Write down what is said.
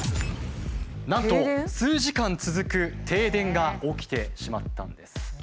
なんと数時間続く停電が起きてしまったんです。